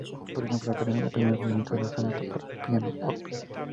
Por ejemplo, aparecen en el primer movimiento de la "Sonata para piano op.